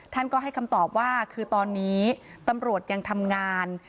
ท่านก็ให้คำตอบว่าคือตอนนี้ตำรวจยังทำงาน